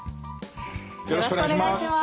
よろしくお願いします。